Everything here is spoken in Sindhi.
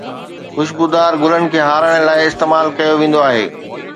خوشبودار گلن کي هارائڻ لاءِ استعمال ڪيو ويندو آهي.